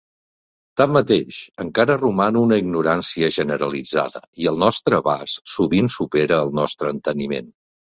Tanmateix, encara roman una ignorància generalitzada, i el nostre abast sovint supera el nostre enteniment.